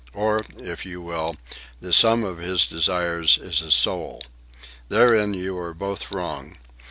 Or, if you will, the sum of his desires is his soul. Therein you are both wrong.